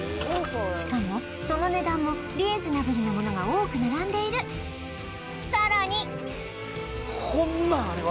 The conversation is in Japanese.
しかもその値段もリーズナブルなものが多く並んでいるさらにあっ